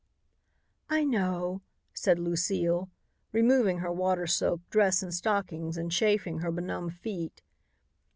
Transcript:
"I know," said Lucile, removing her watersoaked dress and stockings and chafing her benumbed feet.